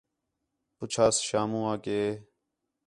پُچھاس شامو آ کہ